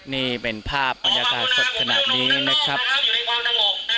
นี่เป็นภาพบรรยากาศสดขนาดนี้นะครับอยู่ในความต่างกกนะครับ